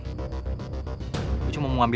lo harus banget ya